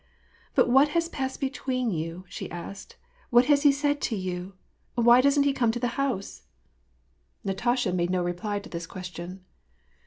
" But what has passed between you ?" she asked. "What has he said to you ? Why doesn't he Qome to the hou^e ?" 864 WAR AND PEACE. Natasha made no reply to this question.